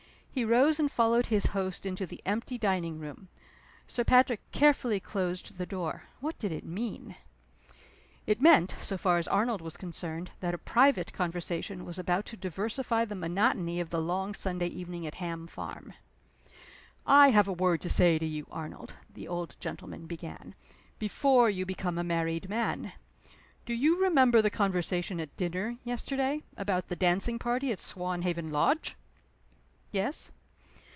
He rose and followed his host into the empty dining room. Sir Patrick carefully closed the door. What did it mean? It meant so far as Arnold was concerned that a private conversation was about to diversify the monotony of the long Sunday evening at Ham Farm. "I have a word to say to you, Arnold," the old gentleman began, "before you become a married man. Do you remember the conversation at dinner yesterday, about the dancing party at Swanhaven Lodge?" "Yes."